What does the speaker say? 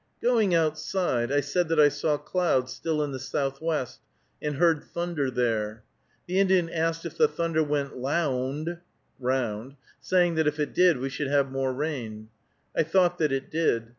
Going outside, I said that I saw clouds still in the southwest, and heard thunder there. The Indian asked if the thunder went "lound" (round), saying that if it did we should have more rain. I thought that it did.